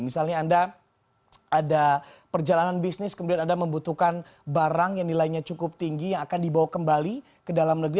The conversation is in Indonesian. misalnya anda ada perjalanan bisnis kemudian anda membutuhkan barang yang nilainya cukup tinggi yang akan dibawa kembali ke dalam negeri